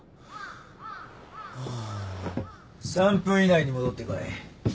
３分以内に戻ってこい。